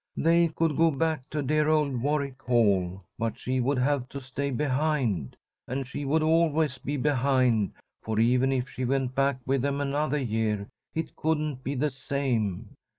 They could go back to dear old Warwick Hall, but she would have to stay behind. And she would always be behind, for, even if she went back with them another year, it couldn't be the same.